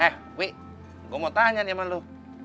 eh wih gue mau tanya nih sama lo